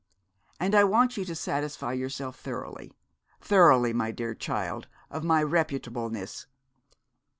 And I want you to satisfy yourself thoroughly thoroughly, my dear child, of my reputableness.